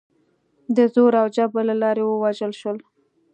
د زور او جبر له لارې ووژل شول.